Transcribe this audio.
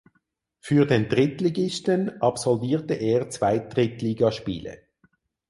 Für den Drittligisten absolvierte er zwei Drittligaspiele.